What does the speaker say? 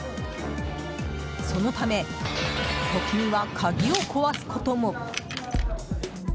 そのため、時には鍵を壊すことも。